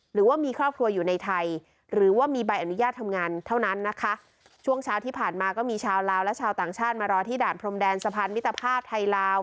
หรือว่ามีครอบครัวอยู่ในไทยหรือว่ามีใบอนุญาตทำงานเท่านั้นนะคะช่วงเช้าที่ผ่านมาก็มีชาวลาวและชาวต่างชาติมารอที่ด่านพรมแดนสะพานมิตรภาพไทยลาว